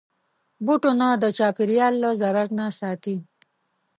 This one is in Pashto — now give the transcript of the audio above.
بوټونه د چاپېریال له ضرر نه ساتي.